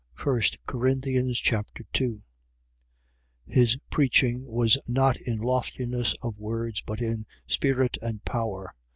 1 Corinthians Chapter 2 His preaching was not in loftiness of words, but in spirit and power.